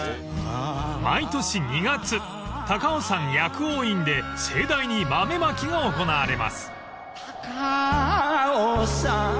［毎年２月高尾山薬王院で盛大に豆まきが行われます］